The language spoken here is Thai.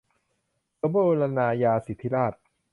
สมบูรณาญาสิทธิราชย์